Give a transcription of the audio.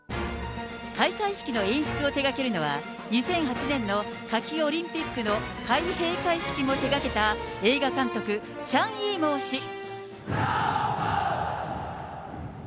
開会式の演出を手がけるのは、２００８年の夏季オリンピックの開閉会式も手がけた映画監督、チャン・イーモウ氏。